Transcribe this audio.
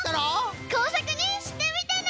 こうさくにしてみてね！